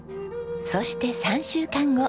そして３週間後。